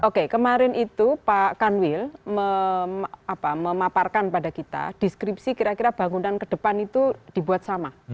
oke kemarin itu pak kanwil memaparkan pada kita deskripsi kira kira bangunan ke depan itu dibuat sama